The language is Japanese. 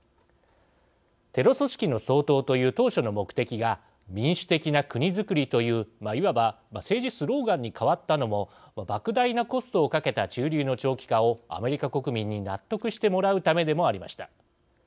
テロ組織の掃討という当初の目的が民主的な国づくりといういわば政治スローガンに変わったのもばく大なコストをかけた駐留の長期化をアメリカ国民に納得してもらうためでもありました。